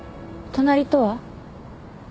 「隣」とは？